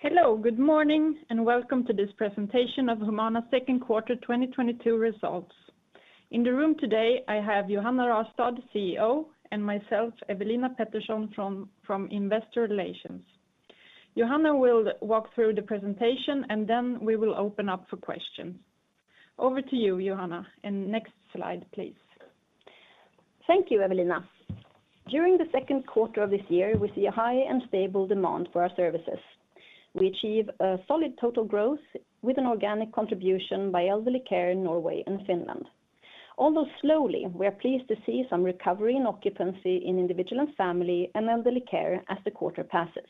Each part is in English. Hello, good morning, and welcome to this presentation of Humana Q2 2022 results. In the room today, I have Johanna Rastad, CEO, and myself, Ewelina Pettersson from Investor Relations. Johanna will walk through the presentation, and then we will open up for questions. Over to you, Johanna, and next slide, please. Thank you, Ewelina. During Q2 of this year, we see a high and stable demand for our services. We achieved a solid total growth with an organic contribution by elderly care in Norway and Finland. Although slowly, we are pleased to see some recovery in occupancy in individual and family and elderly care as the quarter passes.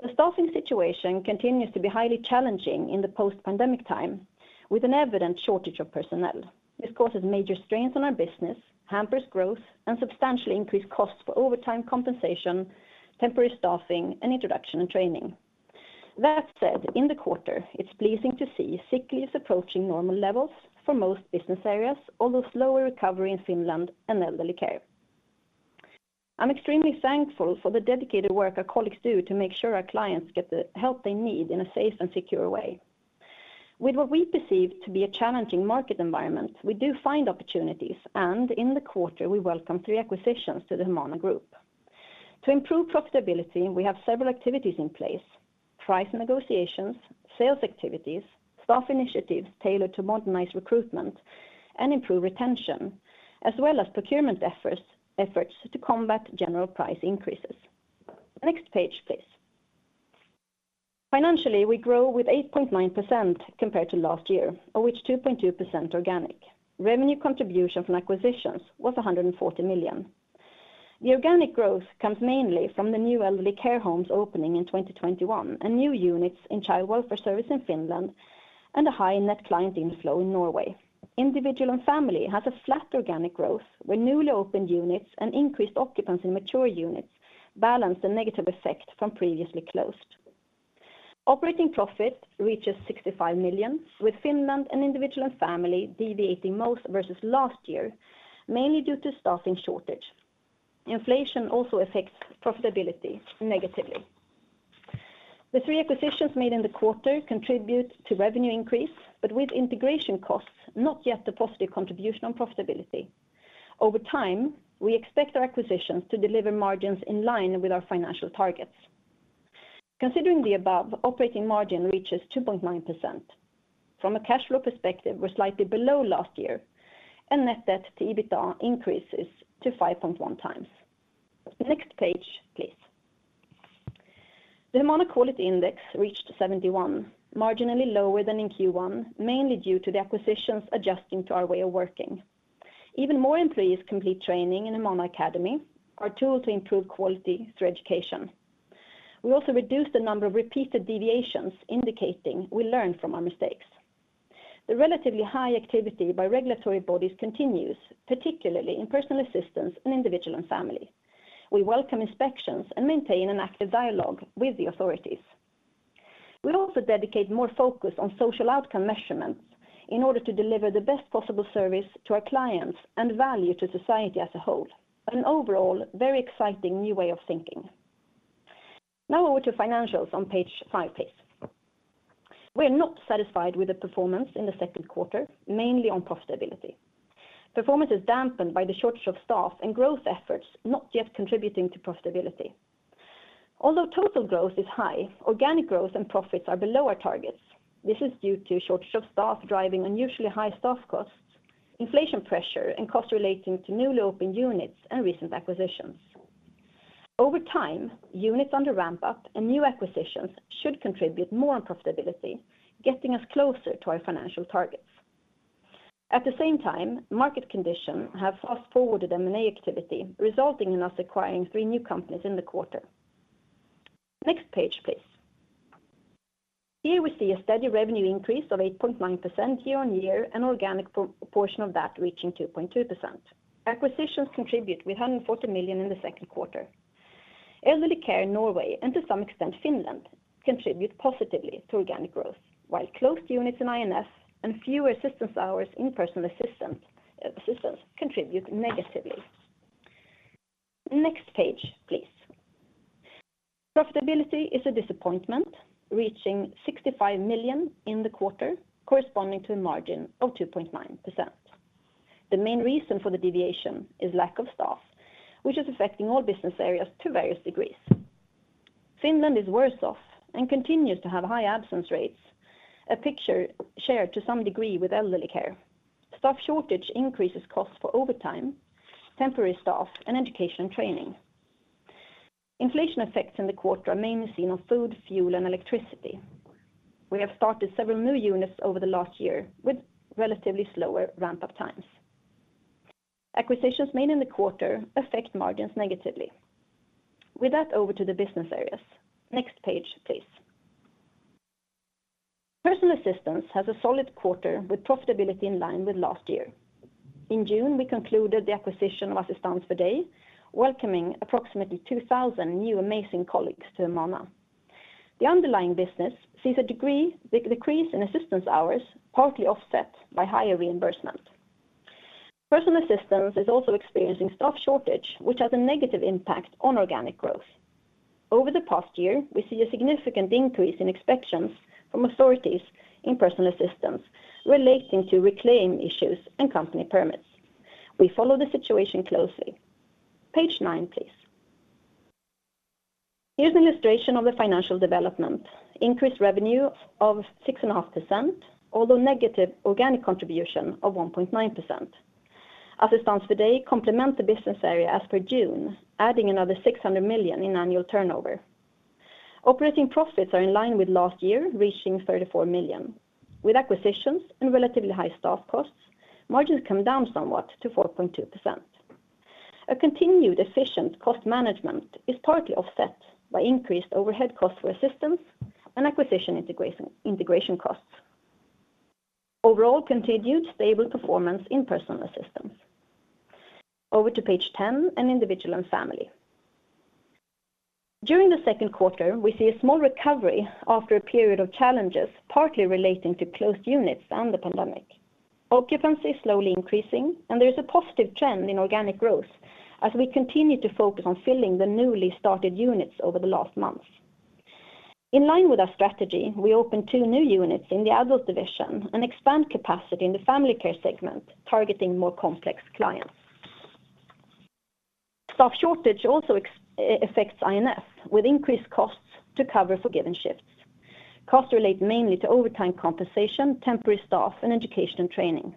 The staffing situation continues to be highly challenging in the post-pandemic time, with an evident shortage of personnel. This causes major strains on our business, hampers growth, and substantially increased costs for overtime compensation, temporary staffing, and introduction and training. That said, in the quarter, it's pleasing to see sick leave is approaching normal levels for most business areas, although slower recovery in Finland and elderly care. I'm extremely thankful for the dedicated work our colleagues do to make sure our clients get the help they need in a safe and secure way. With what we perceive to be a challenging market environment, we do find opportunities, and in the quarter, we welcome three acquisitions to the Humana Group. To improve profitability, we have several activities in place, price negotiations, sales activities, staff initiatives tailored to modernize recruitment and improve retention, as well as procurement efforts to combat general price increases. Next page, please. Financially, we grow with 8.9% compared to last year, of which 2.2% organic. Revenue contribution from acquisitions was 140 million. The organic growth comes mainly from the new elderly care homes opening in 2021 and new units in child welfare service in Finland and a high net client inflow in Norway. Individual & Family has a flat organic growth, where newly opened units and increased occupants in mature units balance the negative effect from previously closed. Operating profit reaches 65 million, with Finland and Individual & Family deviating most versus last year, mainly due to staffing shortage. Inflation also affects profitability negatively. The three acquisitions made in the quarter contribute to revenue increase, but with integration costs, not yet the positive contribution on profitability. Over time, we expect our acquisitions to deliver margins in line with our financial targets. Considering the above, operating margin reaches 2.9%. From a cash flow perspective, we're slightly below last year, and net debt to EBITDA increases to 5.1 times. Next page, please. The Humana Quality Index reached 71, marginally lower than in Q1, mainly due to the acquisitions adjusting to our way of working. Even more employees complete training in Humana Academy, our tool to improve quality through education. We also reduced the number of repeated deviations, indicating we learn from our mistakes. The relatively high activity by regulatory bodies continues, particularly in personal assistance in Individual and Family. We welcome inspections and maintain an active dialogue with the authorities. We also dedicate more focus on social outcome measurements in order to deliver the best possible service to our clients and value to society as a whole. An overall very exciting new way of thinking. Now, over to financials on page 5, please. We're not satisfied with the performance in Q2, mainly on profitability. Performance is dampened by the shortage of staff and growth efforts not yet contributing to profitability. Although total growth is high, organic growth and profits are below our targets. This is due to shortage of staff driving unusually high staff costs, inflation pressure, and costs relating to newly opened units and recent acquisitions. Over time, units under ramp up and new acquisitions should contribute more on profitability, getting us closer to our financial targets. At the same time, market conditions have fast-forwarded M&A activity, resulting in us acquiring three new companies in the quarter. Next page, please. Here we see a steady revenue increase of 8.9% year-on-year, an organic portion of that reaching 2.2%. Acquisitions contribute with 140 million in Q2. Elderly care in Norway, and to some extent Finland, contribute positively to organic growth, while closed units in I&F and fewer assistance hours in personal assistance contribute negatively. Next page, please. Profitability is a disappointment, reaching 65 million in the quarter, corresponding to a margin of 2.9%. The main reason for the deviation is lack of staff, which is affecting all business areas to various degrees. Finland is worse off and continues to have high absence rates, a picture shared to some degree with elderly care. Staff shortage increases costs for overtime, temporary staff, and education training. Inflation effects in the quarter are mainly seen on food, fuel, and electricity. We have started several new units over the last year with relatively slower ramp-up times. Acquisitions made in the quarter affect margins negatively. With that, over to the business areas. Next page, please. Personal assistance has a solid quarter with profitability in line with last year. In June, we concluded the acquisition of Assistans för dig, welcoming approximately 2,000 new amazing colleagues to Humana. The underlying business sees a decrease in assistance hours, partly offset by higher reimbursement. Personal assistance is also experiencing staff shortage, which has a negative impact on organic growth. Over the past year, we see a significant increase in inspections from authorities in personal assistance relating to reclaim issues and company permits. We follow the situation closely. Page 9, please. Here's an illustration of the financial development. Increased revenue of 6.5%, although negative organic contribution of 1.9%. Assistans för dig complement the business area as per June, adding another 600 million in annual turnover. Operating profits are in line with last year, reaching 34 million. With acquisitions and relatively high staff costs, margins come down somewhat to 4.2%. A continued efficient cost management is partly offset by increased overhead costs for assistance and acquisition integration costs. Overall continued stable performance in personal assistance. Over to page 10 in Individual & Family. During Q2, we see a small recovery after a period of challenges, partly relating to closed units and the pandemic. Occupancy is slowly increasing, and there is a positive trend in organic growth as we continue to focus on filling the newly started units over the last month. In line with our strategy, we open two new units in the adult division and expand capacity in the family care segment, targeting more complex clients. Staff shortage also affects INF with increased costs to cover for given shifts. Costs relate mainly to overtime compensation, temporary staff, and education training.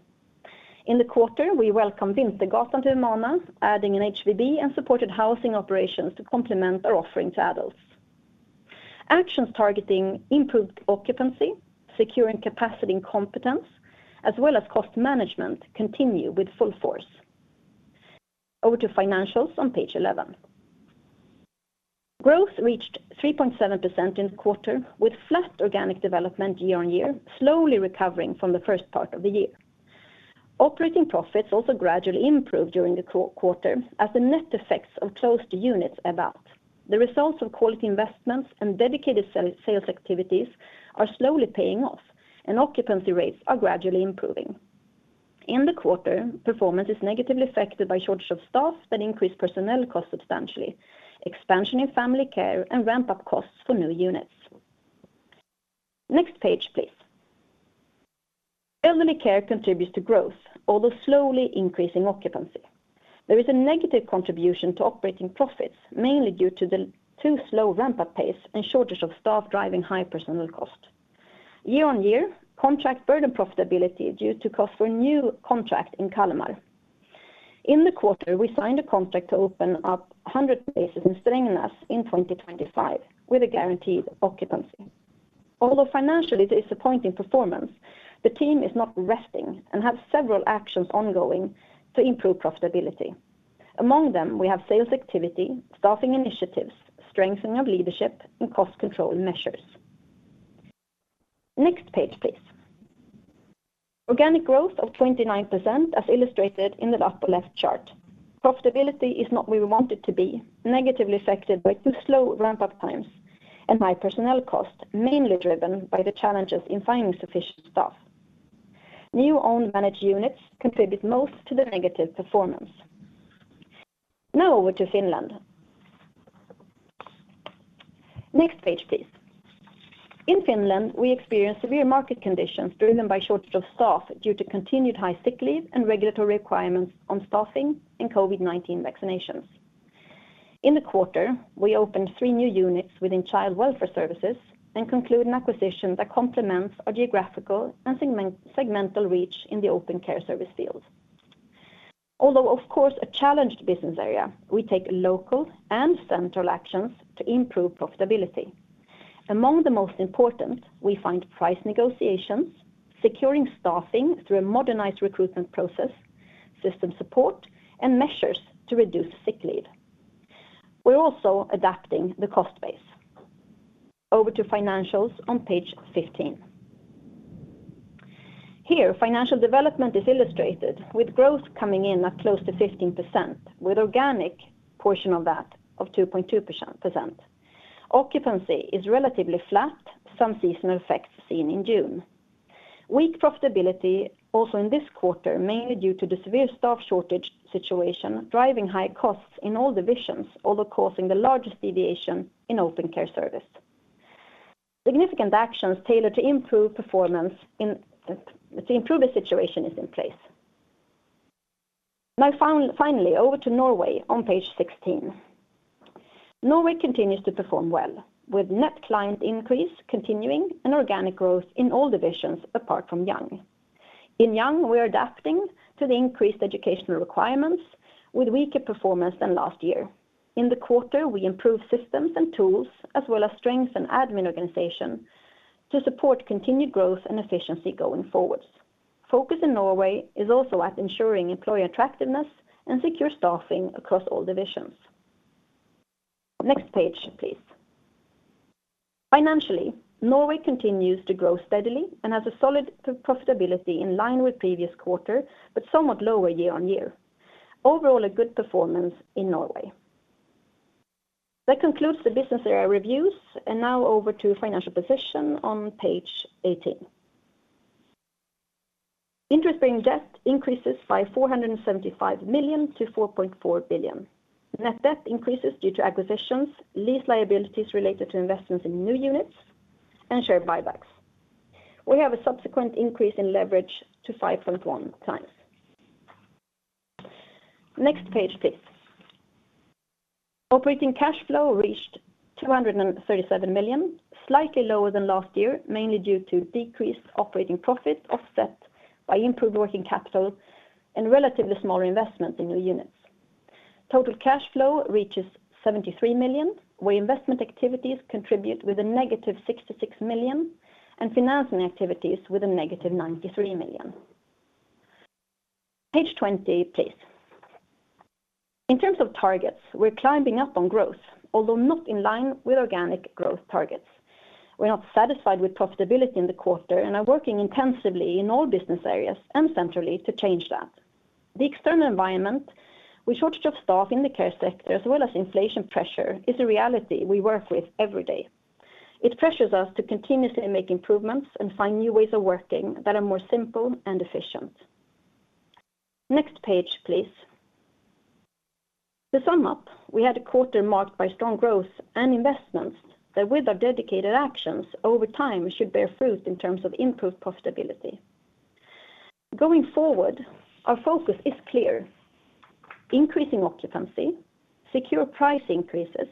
In the quarter, we welcome Vinstgatan to Humana, adding an HVB and supported housing operations to complement our offering to adults. Actions targeting improved occupancy, securing capacity and competence, as well as cost management continue with full force. Over to financials on page 11. Growth reached 3.7% in the quarter, with flat organic development year-on-year, slowly recovering from the first part of the year. Operating profits also gradually improved during the quarter as the net effects of closed units abate. The results of quality investments and dedicated sales activities are slowly paying off, and occupancy rates are gradually improving. In the quarter, performance is negatively affected by shortage of staff that increase personnel costs substantially, expansion in family care, and ramp-up costs for new units. Next page, please. Elderly care contributes to growth, although slowly increasing occupancy. There is a negative contribution to operating profits, mainly due to the too slow ramp-up pace and shortage of staff driving high personnel cost. Year-on-year, contracts burden profitability due to costs for a new contract in Kalmar. In the quarter, we signed a contract to open up 100 spaces in Strängnäs in 2025 with a guaranteed occupancy. Although financially it is a pain point in performance, the team is not resting and have several actions ongoing to improve profitability. Among them, we have sales activity, staffing initiatives, strengthening of leadership, and cost control measures. Next page, please. Organic growth of 29%, as illustrated in the upper left chart. Profitability is not where we want it to be, negatively affected by too slow ramp-up times and high personnel cost, mainly driven by the challenges in finding sufficient staff. New own managed units contribute most to the negative performance. Now over to Finland. Next page, please. In Finland, we experience severe market conditions driven by shortage of staff due to continued high sick leave and regulatory requirements on staffing and COVID-19 vaccinations. In the quarter, we opened three new units within child welfare services and concluded an acquisition that complements our geographical and segmental reach in the open care service field. Although of course a challenged business area, we take local and central actions to improve profitability. Among the most important, we find price negotiations, securing staffing through a modernized recruitment process, system support, and measures to reduce sick leave. We're also adapting the cost base. Over to financials on page 15. Here, financial development is illustrated with growth coming in at close to 15%, with organic portion of that of 2.2%. Occupancy is relatively flat, some seasonal effects seen in June. Weak profitability also in this quarter, mainly due to the severe staff shortage situation, driving high costs in all divisions, although causing the largest deviation in open care service. Significant actions tailored to improve the situation is in place. Now finally, over to Norway on page 16. Norway continues to perform well with net client increase continuing and organic growth in all divisions apart from Young. In Young, we are adapting to the increased educational requirements with weaker performance than last year. In the quarter, we improved systems and tools, as well as strengths and admin organization to support continued growth and efficiency going forwards. Focus in Norway is also at ensuring employee attractiveness and secure staffing across all divisions. Next page, please. Financially, Norway continues to grow steadily and has a solid profitability in line with previous quarter, but somewhat lower year-on-year. Overall, a good performance in Norway. That concludes the business area reviews, and now over to financial position on page 18. Interest-bearing debt increases by 475 million to 4.4 billion. Net debt increases due to acquisitions, lease liabilities related to investments in new units and share buybacks. We have a subsequent increase in leverage to 5.1x. Next page, please. Operating cash flow reached 237 million, slightly lower than last year, mainly due to decreased operating profit offset by improved working capital and relatively smaller investments in new units. Total cash flow reaches 73 million, where investment activities contribute with a negative 66 million and financing activities with a negative 93 million. Page 20, please. In terms of targets, we're climbing up on growth, although not in line with organic growth targets. We're not satisfied with profitability in the quarter and are working intensively in all business areas and centrally to change that. The external environment, with shortage of staff in the care sector as well as inflation pressure, is a reality we work with every day. It pressures us to continuously make improvements and find new ways of working that are more simple and efficient. Next page, please. To sum up, we had a quarter marked by strong growth and investments that with our dedicated actions over time should bear fruit in terms of improved profitability. Going forward, our focus is clear: increasing occupancy, secure price increases,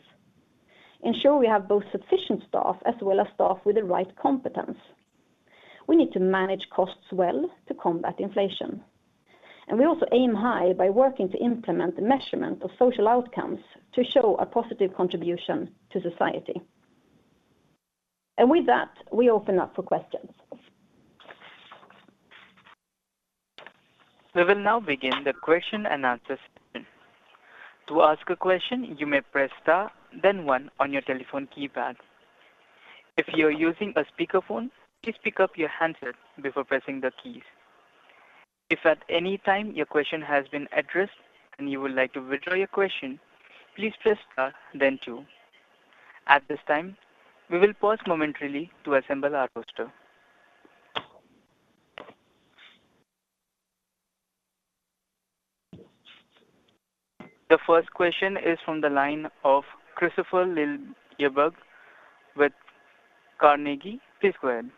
ensure we have both sufficient staff as well as staff with the right competence. We need to manage costs well to combat inflation. We also aim high by working to implement the measurement of social outcomes to show a positive contribution to society. With that, we open up for questions. We will now begin the question-and-answer session. To ask a question, you may press star then one on your telephone keypad. If you are using a speaker phone, please pick up your handset before pressing the keys. If at any time your question has been addressed and you would like to withdraw your question, please press star then two. At this time, we will pause momentarily to assemble our roster. The first question is from the line of Kristofer Liljeberg with Carnegie. Please go ahead.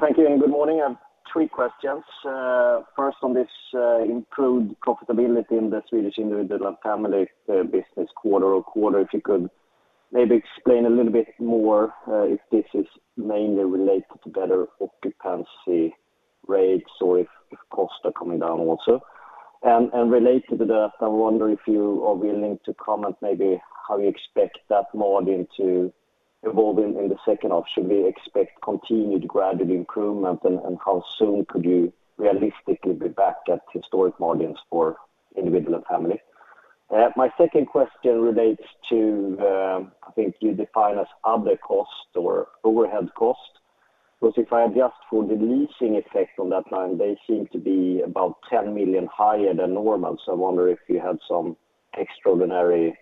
Thank you, and good morning. I have three questions. First, on this improved profitability in the Swedish Individual & Family business quarter-on-quarter, if you could maybe explain a little bit more if this is mainly related to better occupancy rates or if costs are coming down also. Related to that, I wonder if you are willing to comment maybe how you expect that margin to evolve in Q2. We expect continued gradual improvement. How soon could you realistically be back at historic margins for Individual & Family? My second question relates to, I think you define as other costs or overhead costs. Because if I adjust for the leasing effect on that line, they seem to be about 10 million higher than normal. I wonder if you have some extraordinary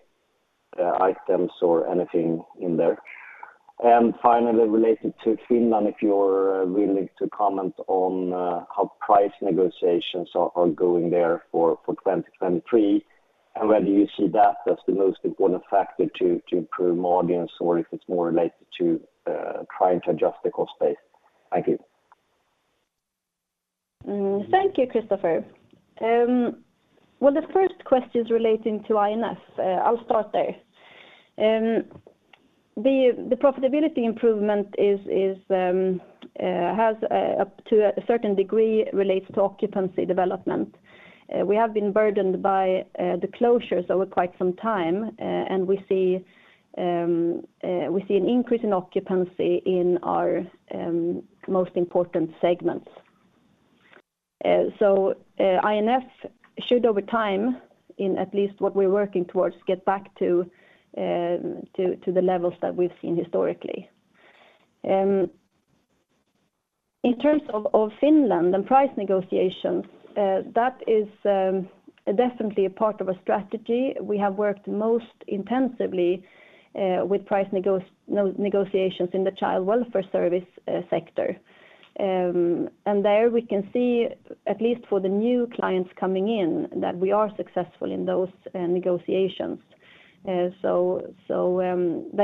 items or anything in there. Finally, related to Finland, if you're willing to comment on how price negotiations are going there for 2023, and whether you see that as the most important factor to improve margins or if it's more related to trying to adjust the cost base. Thank you. Thank you, Kristofer. Well, the first question is relating to INF. I'll start there. The profitability improvement has up to a certain degree related to occupancy development. We have been burdened by the closures over quite some time. We see an increase in occupancy in our most important segments. INF should over time, in at least what we're working towards, get back to the levels that we've seen historically. In terms of Finland and price negotiations, that is definitely a part of a strategy. We have worked most intensively with price negotiations in the child welfare service sector. There we can see, at least for the new clients coming in, that we are successful in those negotiations. That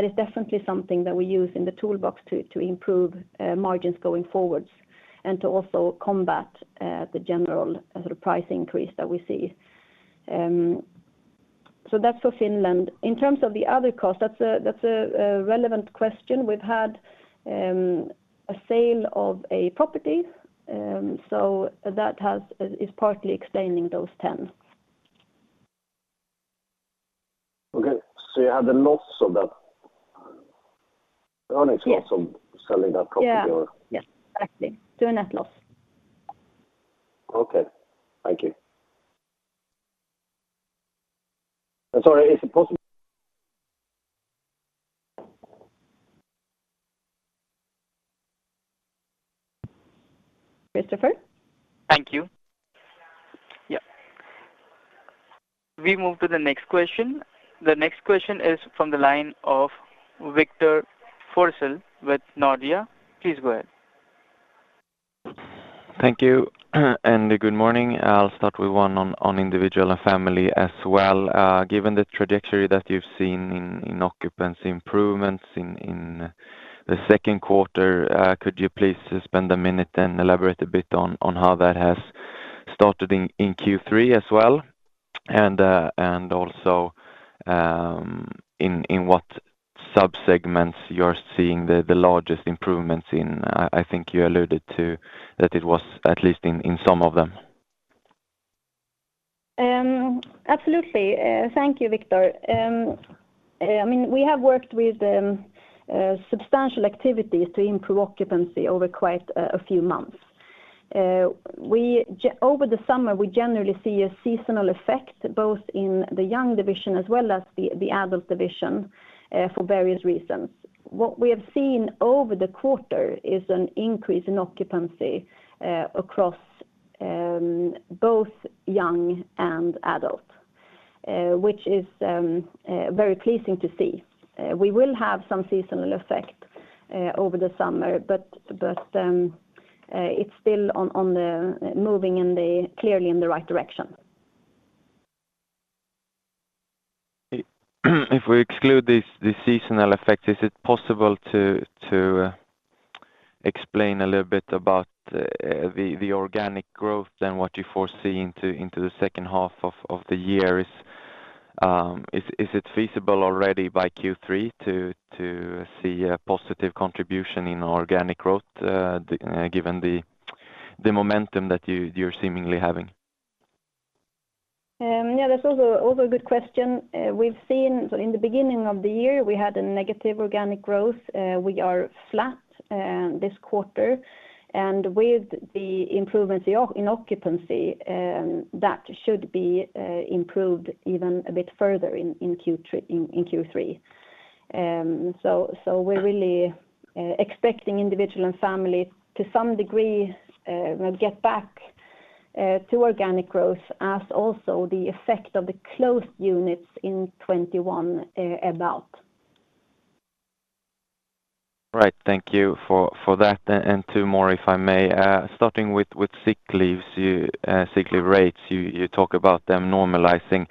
is definitely something that we use in the toolbox to improve margins going forward and to also combat the general price increase that we see. That's for Finland. In terms of the other cost, that's a relevant question. We've had a sale of a property. That is partly explaining those tens. Okay. You had a loss of that. Yes. Earnings loss of selling that property or? Yes. Exactly. To a net loss. Okay. Thank you. I'm sorry, is it possible? Kristopher? Thank you. We move to the next question. The next question is from the line of Victor Forssell with Nordea. Please go ahead. Thank you and good morning. I'll start with one on Individual and Family as well. Given the trajectory that you've seen in occupancy improvements in Q2, could you please spend a minute and elaborate a bit on how that has started in Q3 as well? Also, in what sub-segments you're seeing the largest improvements in... I think you alluded to that it was at least in some of them. Absolutely. Thank you, Victor. We have worked with substantial activities to improve occupancy over quite a few months. Over the summer, we generally see a seasonal effect both in the Young division as well as the adult division, for various reasons. What we have seen over the quarter is an increase in occupancy across both Young and Adult, which is very pleasing to see. We will have some seasonal effect over the summer, but it's still moving clearly in the right direction. If we exclude the seasonal effect, is it possible to explain a little bit about the organic growth than what you foresee into the second half of the year? Is it feasible already by Q3 to see a positive contribution in organic growth, given the momentum that you're seemingly having? Yes, that's also a good question. We've seen in the beginning of the year, we had a negative organic growth. We are flat this quarter. With the improvements in occupancy, that should be improved even a bit further in Q3. We're really expecting Individual and Family to some degree get back to organic growth as also the effect of the closed units in 2021 about. Right. Thank you for that. Two more, if I may. Starting with sick leave rates, you talk about them normalizing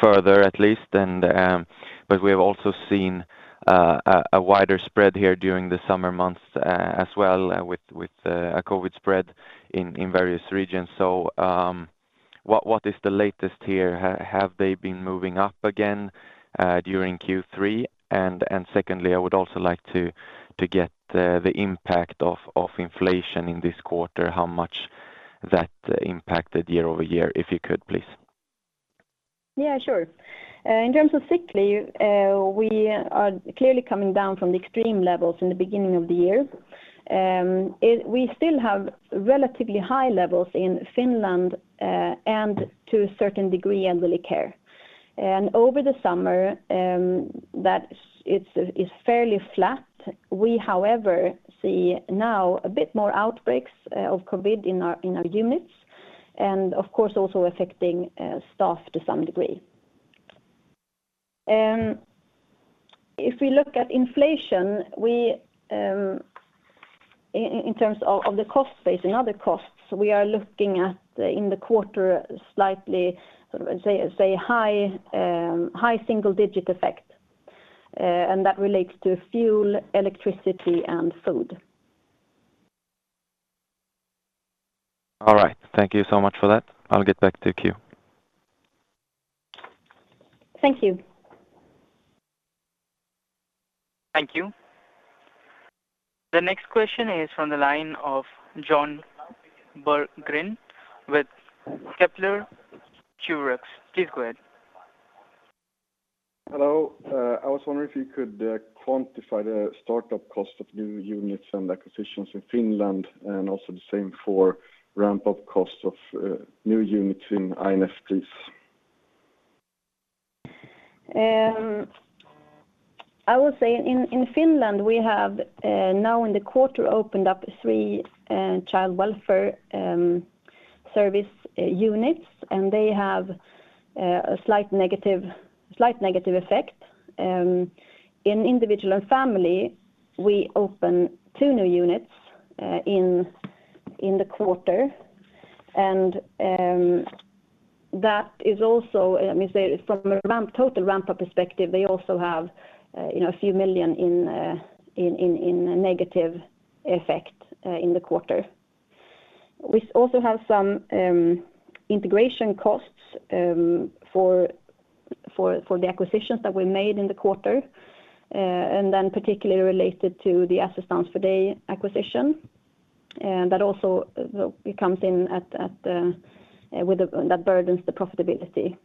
further at least, but we have also seen a wider spread here during the summer months as well with COVID spread in various regions. What is the latest here? Have they been moving up again during Q3? Secondly, I would also like to get the impact of inflation in this quarter, how much that impacted year-over-year, if you could, please. Yes, sure. In terms of sick leave, we are clearly coming down from the extreme levels in the beginning of the year. We still have relatively high levels in Finland, and to a certain degree, elderly care. Over the summer, it's fairly flat. We, however, see now a bit more outbreaks of COVID in our units, and of course, also affecting staff to some degree. If we look at inflation, in terms of the cost base and other costs, we are looking at, in the quarter, slightly high single-digit effect, and that relates to fuel, electricity, and food. All right. Thank you so much for that. I'll get back to queue. Thank you. Thank you. The next question is from the line of Johan Berggren with Kepler Cheuvreux. Please go ahead. Hello. I was wondering if you could quantify the startup cost of new units and acquisitions in Finland, and also the same for ramp-up costs of new units in I&F. I would say in Finland, we have now in the quarter opened three child welfare service units, and they have a slight negative effect. In individual and family, we opened two new units in the quarter. That is also, let me say, from a ramp total ramp-up perspective, they also have a few million SEK in negative effect in the quarter. We also have some integration costs for the acquisitions that we made in the quarter, and then particularly related to the Assistans för dig acquisition. That also burdens the profitability.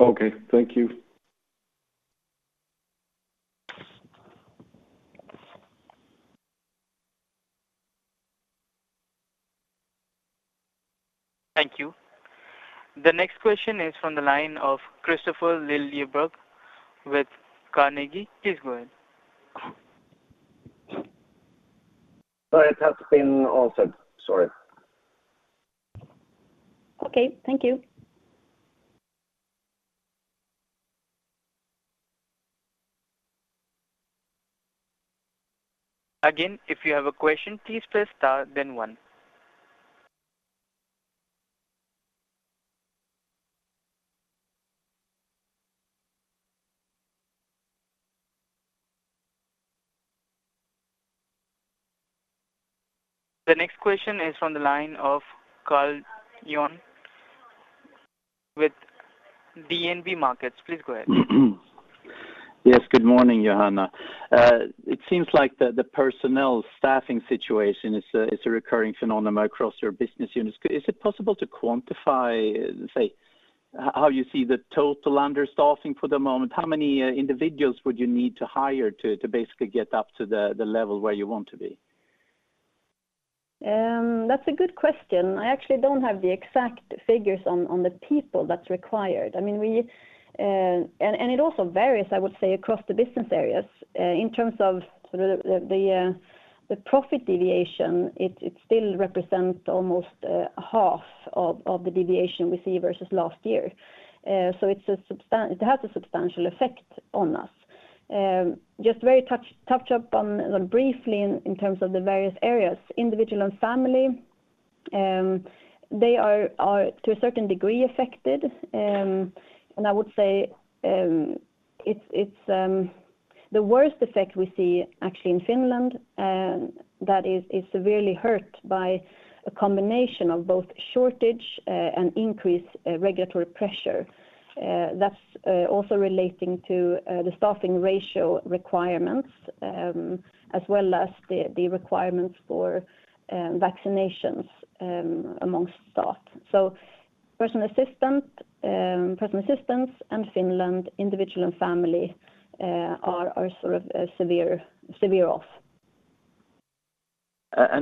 Okay. Thank you. Thank you. The next question is from the line of Kristofer Liljeberg with Carnegie. Please go ahead. Sorry, it has been answered. Sorry. Okay, thank you. Again, if you have a question, please press star then one. The next question is from the line of Karl-Johan with DNB Markets. Please go ahead. Yes, good morning, Johanna. It seems like the personnel staffing situation is a recurring phenomenon across your business units. Is it possible to quantify, say, how you see the total understaffing for the moment? How many individuals would you need to hire to basically get up to the level where you want to be? That's a good question. I actually don't have the exact figures on the people that's required. It also varies, I would say, across the business areas. In terms of the profit deviation, it still represents almost half of the deviation we see versus last year. It has a substantial effect on us. Just very touch up on briefly in terms of the various areas. Individual & Family, they are to a certain degree affected. I would say the worst effect we see actually in Finland that is severely hurt by a combination of both shortage and increased regulatory pressure. That's also relating to the staffing ratio requirements, as well as the requirements for vaccinations among staff. Personal assistants and Finland Individual and Family are severely off.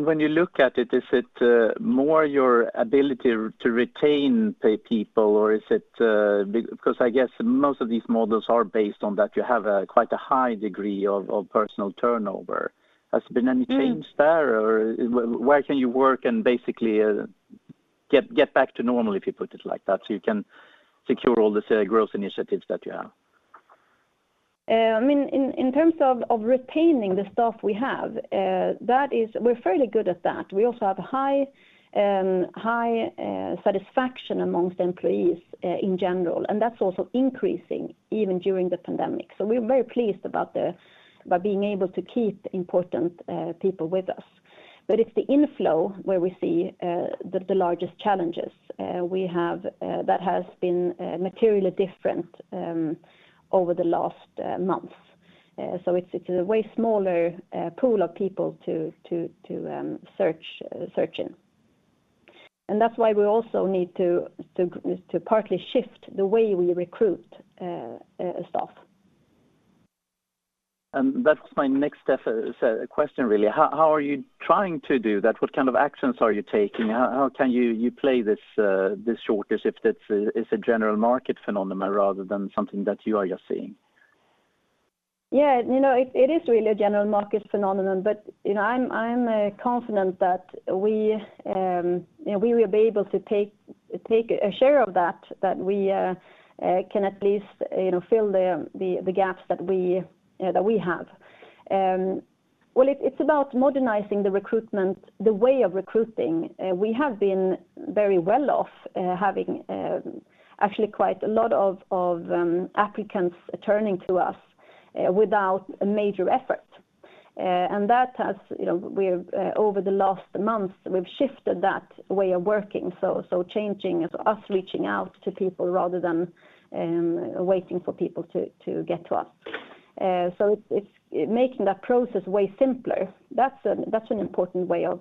When you look at it, is it more your ability to retain people or is it... Because I guess most of these models are based on that you have a quite high degree of personnel turnover. Has there been any change there or where can you work and basically get back to normal, if you put it like that, so you can secure all the sales growth initiatives that you have? In terms of retaining the staff we have, we're fairly good at that. We also have high satisfaction among employees in general, and that's also increasing even during the pandemic. We're very pleased by being able to keep important people with us. It's the inflow where we see the largest challenges. We have that has been materially different over the last months. It's a way smaller pool of people to search in. That's why we also need to partly shift the way we recruit staff. That's my next question, really. How are you trying to do that? What actions are you taking? How can you play this shortage if that's a general market phenomenon rather than something that you are just seeing? It is really a general market phenomenon. I'm confident that we will be able to take a share of that that we can at least, fill the gaps that we have. Well, it's about modernizing the recruitment, the way of recruiting. We have been very well off, having actually quite a lot of applicants turning to us without a major effort. Over the last months, we've shifted that way of working. Changing us reaching out to people rather than waiting for people to get to us. It's making that process way simpler. That's an important way of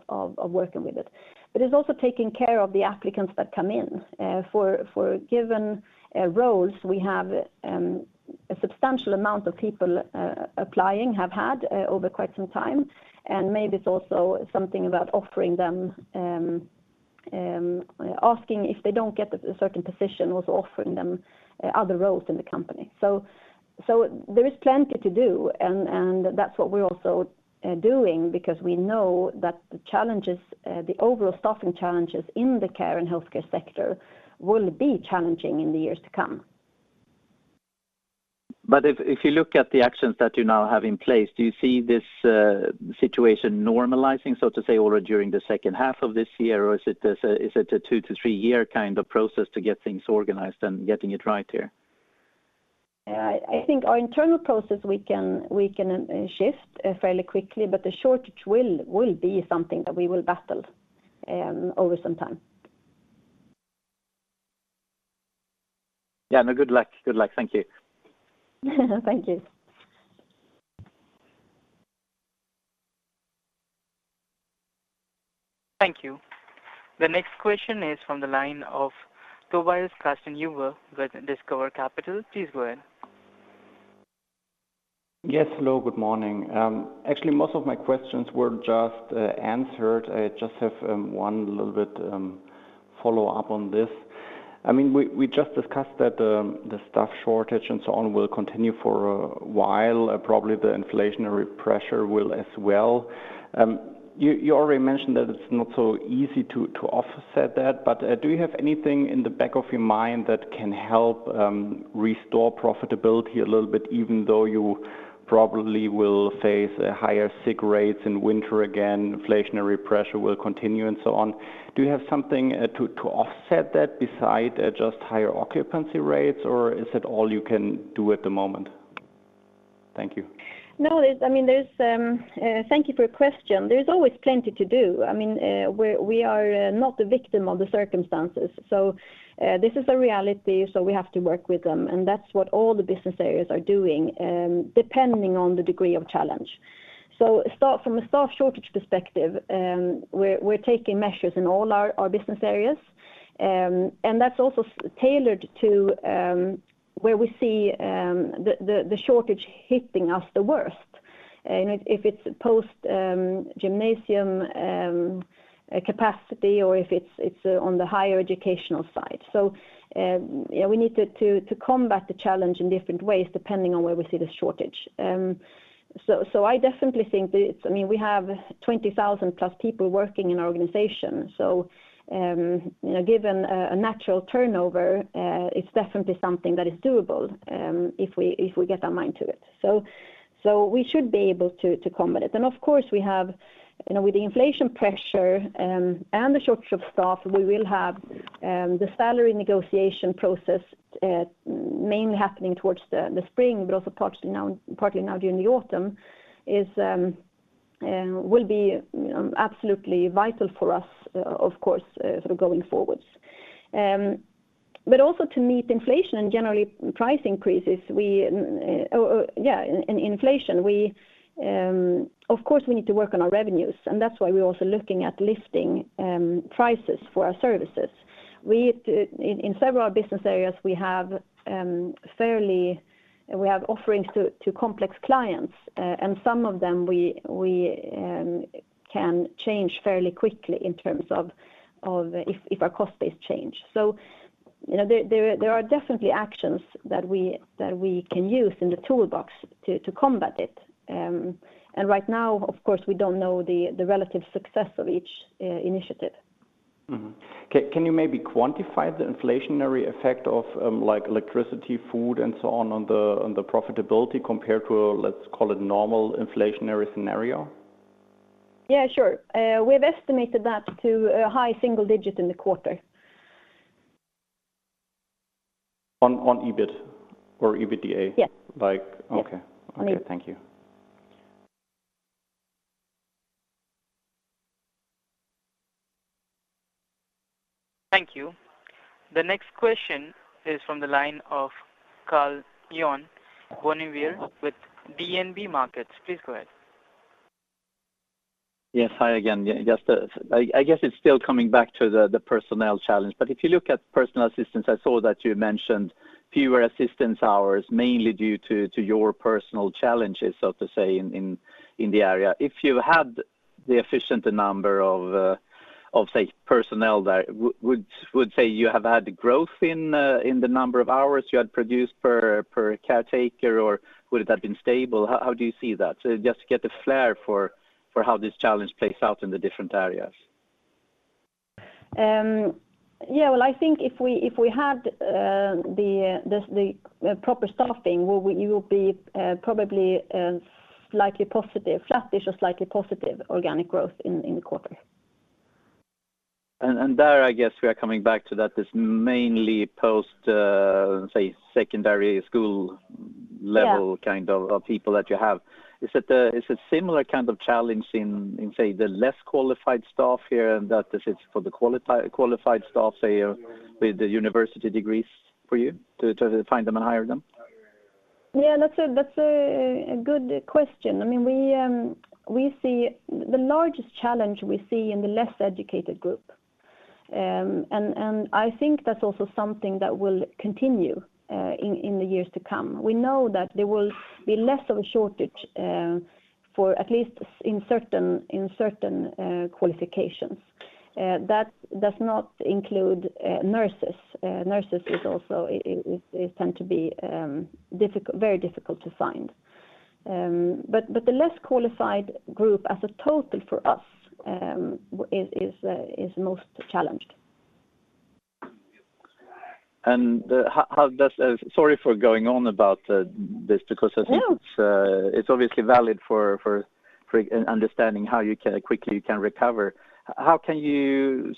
working with it. It's also taking care of the applicants that come in. For given roles, we have had a substantial amount of people applying over quite some time. Maybe it's also something about offering them, asking if they don't get a certain position, also offering them other roles in the company. There is plenty to do, and that's what we're also doing because we know that the overall staffing challenges in the care and healthcare sector will be challenging in the years to come. If you look at the actions that you now have in place, do you see this situation normalizing, so to say, or during the second half of this year or is it a two to three-year process to get things organized and getting it right here? Yes. I think our internal process, we can shift fairly quickly, but the shortage will be something that we will battle over some time. Good luck. Thank you. Thank you. Thank you. The next question is from the line of Tobias Kastenhuber with Discover Capital. Please go ahead. Yes. Hello, good morning. Actually, most of my questions were just answered. I just have one little bit follow-up on this. We just discussed that the staff shortage and so on will continue for a while, probably the inflationary pressure will as well. You already mentioned that it's not so easy to offset that, but do you have anything in the back of your mind that can help restore profitability a little bit even though you probably will face higher sick rates in winter again, inflationary pressure will continue, and so on? Do you have something to offset that besides just higher occupancy rates, or is that all you can do at the moment? Thank you. Thank you for your question. There's always plenty to do. We are not the victim of the circumstances, so this is a reality, so we have to work with them. That's what all the business areas are doing, depending on the degree of challenge. Start from a staff shortage perspective, we're taking measures in all our business areas. That's also tailored to where we see the shortage hitting us the worst. If it's post gymnasium capacity or if it's on the higher educational side. We need to combat the challenge in different ways depending on where we see the shortage. I definitely think that we have 20,000 plus people working in our organization. Given a natural turnover, it's definitely something that is doable, if we get our mind to it. We should be able to combat it. Of course, we have with the inflation pressure and the shortage of staff, we will have the salary negotiation process mainly happening towards the spring, but also partially now during the autumn, will be absolutely vital for us, of course, going forwards. Also to meet inflation and generally price increases, in inflation, of course, we need to work on our revenues, and that's why we're also looking at lifting prices for our services. In several business areas, we have offerings to complex clients. Some of them we can change fairly quickly in terms of if our cost base change. There are definitely actions that we can use in the toolbox to combat it. Right now, of course, we don't know the relative success of each initiative. Can you maybe quantify the inflationary effect of electricity, food, and so on the profitability compared to, let's call it normal inflationary scenario? Yes, sure. We've estimated that to a high single digit in the quarter. On EBIT or EBITDA? Yes. Okay. Thank you. Thank you. The next question is from the line of Karl-Johan Bonnevier with DNB Markets. Please go ahead. Hi again. I guess it's still coming back to the personnel challenge. If you look at personal assistance, I saw that you mentioned fewer assistance hours, mainly due to your personal challenges, so to say, in the area. If you had the sufficient number of personnel there, would say you have had growth in the number of hours you had produced per caretaker, or would it have been stable? How do you see that? Just to get a flavor for how this challenge plays out in the different areas. Yes. Well, I think if we had the proper staffing, we will be probably slightly positive, flat-ish or slightly positive organic growth in the quarter. There, I guess we are coming back to that, this mainly post secondary school level people that you have. Is it similar challenge in the less qualified staff here than this is for the qualified staff with the university degrees for you to find them and hire them? Yes. That's a good question. The largest challenge we see in the less educated group. I think that's also something that will continue in the years to come. We know that there will be less of a shortage for at least in certain qualifications. That does not include nurses. Nurses also tend to be very difficult to find but the less qualified group as a total for us is most challenged. Sorry for going on about this because I think... No It's obviously valid for understanding how quickly you can recover. How can you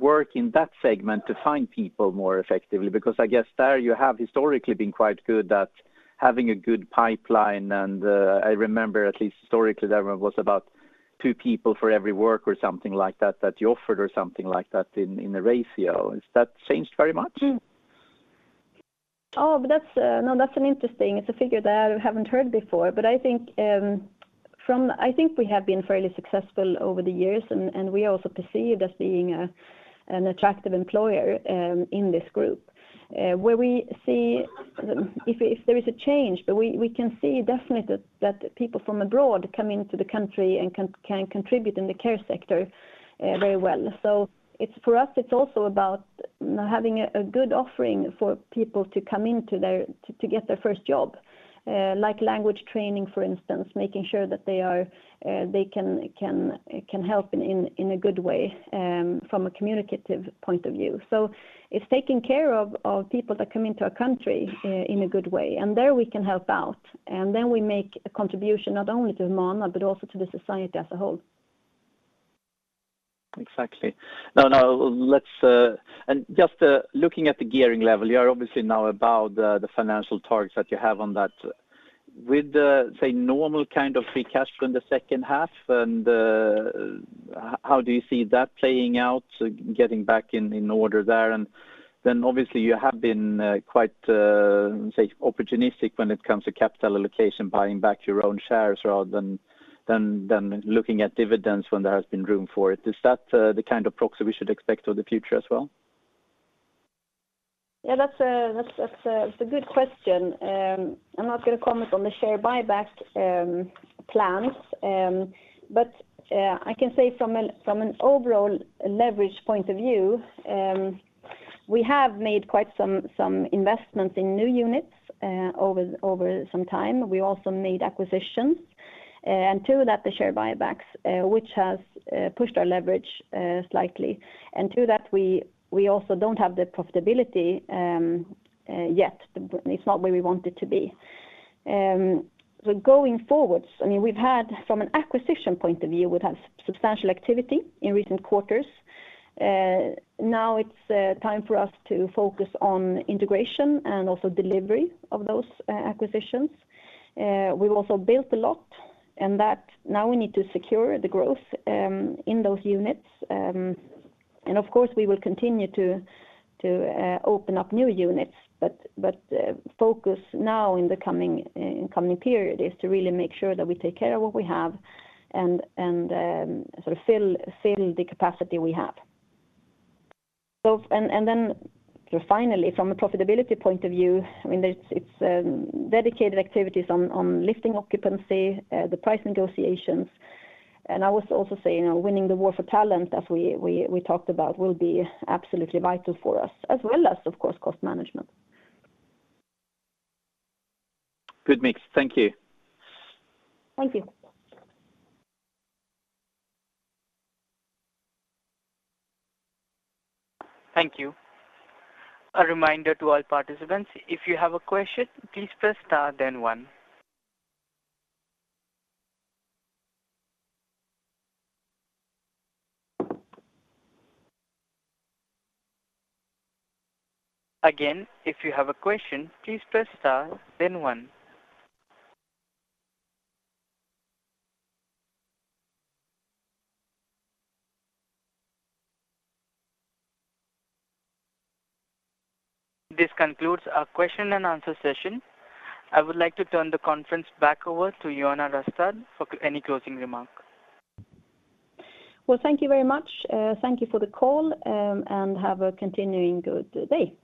work in that segment to find people more effectively? Because I guess there you have historically been quite good at having a good pipeline. I remember at least historically, there was about two people for every work or something like that you offered or something like that in the ratio. Has that changed very much? That's an interesting figure that I haven't heard before, but I think we have been fairly successful over the years, and we are also perceived as being an attractive employer in this group. If there is a change, but we can see definitely that people from abroad come into the country and can contribute in the care sector very well. For us, it's also about having a good offering for people to come in to get their first job. Like language training, for instance, making sure that they can help in a good way from a communicative point of view. It's taking care of people that come into our country in a good way, and there we can help out. We make a contribution not only to Humana, but also to the society as a whole. Exactly. Now, just looking at the gearing level, you're obviously now above the financial targets that you have on that. With the normal free cash flow in the second half, and how do you see that playing out, getting back in order there? Then obviously, you have been quite opportunistic when it comes to capital allocation, buying back your own shares rather than looking at dividends when there has been room for it. Is that the proxy we should expect for the future as well? Yes, that's a good question. I'm not going to comment on the share buyback plans, but I can say from an overall leverage point of view, we have made quite some investments in new units over some time. We also made acquisitions. To that, the share buybacks, which has pushed our leverage slightly. To that, we also don't have the profitability yet. It's not where we want it to be. Going forwards, I mean, we've had from an acquisition point of view, we've had substantial activity in recent quarters. Now it's time for us to focus on integration and also delivery of those acquisitions. We've also built a lot and that now we need to secure the growth in those units. Of course, we will continue to open up new units, but focus now in the coming period is to really make sure that we take care of what we have and fill the capacity we have. Finally, from a profitability point of view, it's dedicated activities on lifting occupancy, the price negotiations. I would also say, winning the war for talent, as we talked about, will be absolutely vital for us, as well as, of course, cost management. Good mix. Thank you. Thank you. Thank you. A reminder to all participants, if you have a question, please press star then one. Again, if you have a question, please press star then one. This concludes our question-and-answer session. I would like to turn the conference back over to Johanna Rastad for any closing remarks. Well, thank you very much. Thank you for the call, and have a continuing good day.